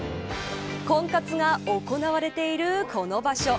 婚活が行われているこの場所。